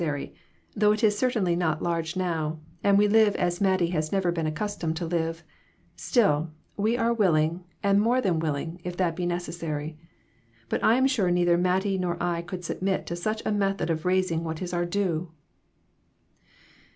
sary, though it is certainly not large now, and we live as Mattie has never been accustomed to live ; still, we are willing, and more than willing, if that be necessary ; but I am sure neither Mattie nor I could submit to such a method of raising what is our due."